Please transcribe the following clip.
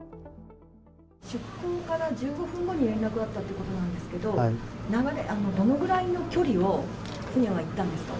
出航から１５分後に連絡があったということなんですけど、どのくらいの距離を船は行ったんですか？